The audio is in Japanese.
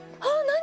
何？